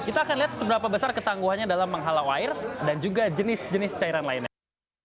kita akan lihat seberapa besar ketangguhannya dalam menghalau air dan juga jenis jenis cairan lainnya